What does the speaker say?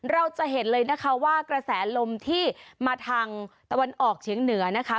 เราจะเห็นเลยนะคะว่ากระแสลมที่มาทางตะวันออกเฉียงเหนือนะคะ